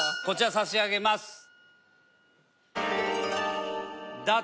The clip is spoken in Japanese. こちらさしあげます。